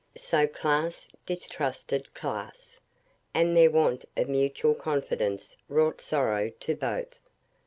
So class distrusted class, and their want of mutual confidence wrought sorrow to both.